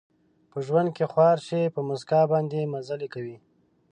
په ژوند کې خوار شي، په مسکا باندې مزلې کوي